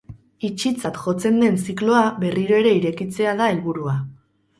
Itxitzat jotzen den zikloa berriro ere ez irekitzea da helburua.